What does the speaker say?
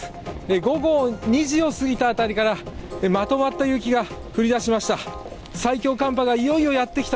午後２時をすぎた辺りからまとまった雪が降りだしました。